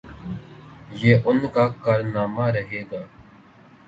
یہ ان کا کارنامہ رہے گا۔